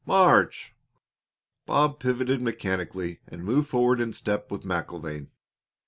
March!" Bob pivoted mechanically and moved forward in step with MacIlvaine.